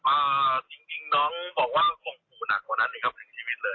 อ่าจริงจริงน้องบอกว่าข่มขู่หนักกว่านั้นอีกครับถึงชีวิตเลย